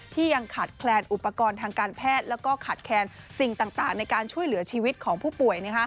ยังขาดแคลนอุปกรณ์ทางการแพทย์แล้วก็ขาดแคลนสิ่งต่างในการช่วยเหลือชีวิตของผู้ป่วย